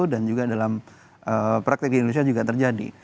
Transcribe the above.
dan juga dalam praktek di indonesia juga terjadi